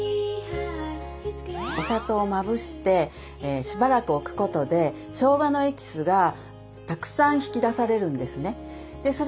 お砂糖をまぶしてしばらく置くことでしょうがのエキスがたくさん引き出されるんですね。